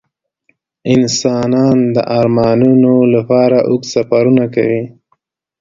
انسانان د ارمانونو لپاره اوږده سفرونه کوي.